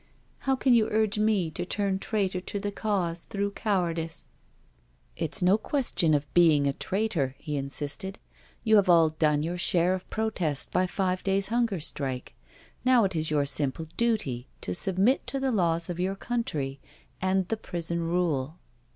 How can you urge me to turn traitor to the Cause through cowardice?" '* It's no question of being a traitor," he insisted. " You have all done your share of protest by five days' hunger strike. Now it is your simple duty to submit to the laws of your country, and the prison rule."